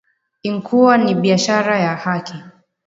inkuwa ni biashara ya haki